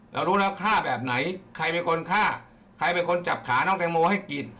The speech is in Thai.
รู้แล้วฆ่าแบบไหนใครเป็นคนฆ่าใครเป็นคนจับขาน้องแตงโมให้กิน